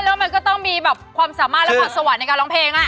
แล้วมันก็ต้องมีแบบความสามารถและพรสวรรค์ในการร้องเพลง